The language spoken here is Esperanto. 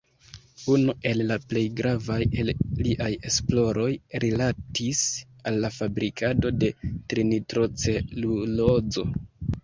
Unu el la plej gravaj el liaj esploroj rilatis al la fabrikado de "trinitrocelulozo".